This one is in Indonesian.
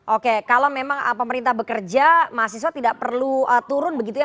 oke kalau memang pemerintah bekerja mahasiswa tidak perlu turun begitu ya